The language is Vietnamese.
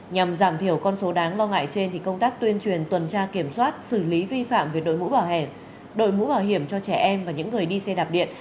nhằm giảm thiểu con số đáng lo ngại trên công tác tuyên truyền tuần tra kiểm soát xử lý vi phạm về đội mũ bảo hiểm cho trẻ em và những người đi xe đạp điện